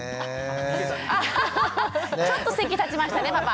アハハハッちょっと席立ちましたねパパ。